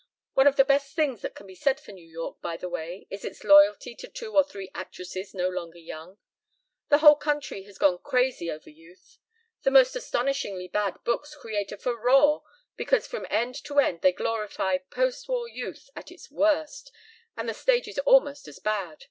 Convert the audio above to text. One of the best things that can be said for New York, by the way, is its loyalty to two or three actresses no longer young. The whole country has gone crazy over youth. The most astonishingly bad books create a furore because from end to end they glorify post war youth at its worst, and the stage is almost as bad.